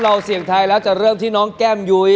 เสี่ยงทายแล้วจะเริ่มที่น้องแก้มยุ้ย